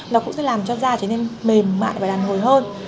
nó cũng sẽ làm cho da trở nên mềm mại và đàn hồi hơn